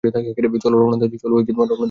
চলো, রওয়ানা দেওয়া যাক।